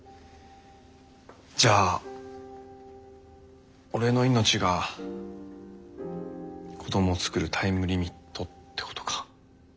じゃあ俺の命が子どもを作るタイムリミットってことか。